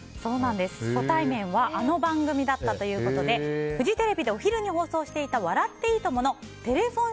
初対面はあの番組だったということでフジテレビでお昼に放送していた「笑っていいとも！」のテレフォン